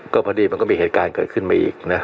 ก็พอดีก็มีเหตุการณ์มากขึ้นอีก